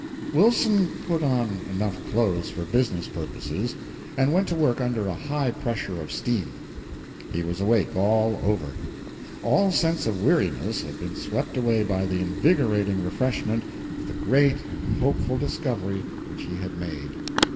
Wilson put on enough clothes for business purposes and went to work under a high pressure of steam. He was awake all over. All sense of weariness had been swept away by the invigorating refreshment of the great and hopeful discovery which he had made.